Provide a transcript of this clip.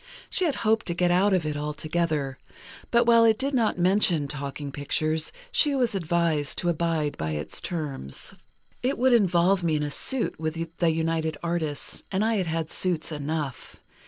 She had hoped to get out of it altogether; but while it did not mention talking pictures, she was advised to abide by the terms. "It would involve me in a suit with the United Artists, and I had had suits enough.